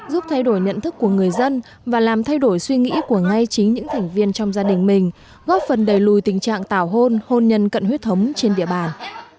giúp thay đổi nhận thức của người dân và làm thay đổi suy nghĩ của ngay chính những thành viên trong gia đình mình góp phần đầy lùi tình trạng tảo hôn hôn nhân cận huyết thống trên địa bàn